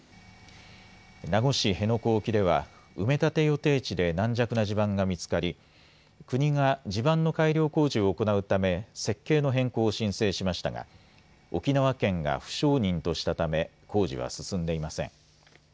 名護市辺野古沖では埋め立て予定地で軟弱な地盤が見つかり国が地盤の改良工事を行うため設計の変更を申請しましたが沖縄県が不承認としたため工事は進んでいません。